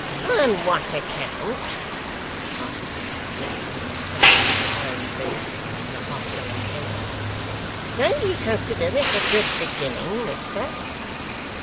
'On what account?' asked Mr Tappertit, who had been quenching his fiery face in a half gallon can. 'Don't you consider this a good beginning, mister?